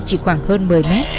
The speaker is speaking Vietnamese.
chỉ khoảng hơn một mươi mét